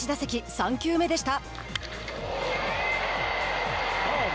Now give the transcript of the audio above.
３球目でした。